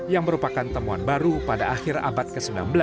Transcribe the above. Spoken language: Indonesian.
yang merupakan temuan baru pada akhir abad ke sembilan belas